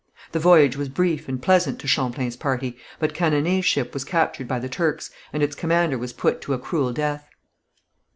The voyage was brief and pleasant to Champlain's party, but Cananée's ship was captured by the Turks, and its commander was put to a cruel death.